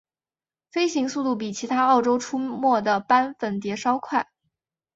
飞行速度比其他澳洲出没的斑粉蝶稍快。